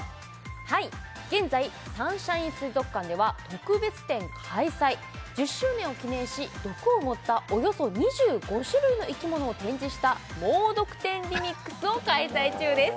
はい現在サンシャイン水族館では特別展開催１０周年を記念し毒をもったおよそ２５種類の生き物を展示した「もうどく展ＲｅＭｉｘ」を開催中です